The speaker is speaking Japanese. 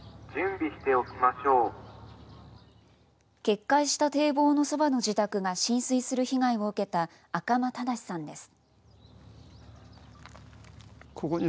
決壊した堤防のそばの自宅が浸水する被害を受けた赤間正さんです。